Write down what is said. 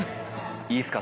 いいっすか？